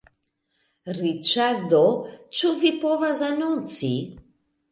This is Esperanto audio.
Riĉardo, ĉu vi povas anonci?